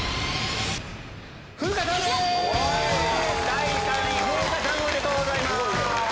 第３位風花さんおめでとうございます！